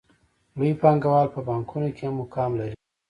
لوی پانګوال په بانکونو کې هم مقام لري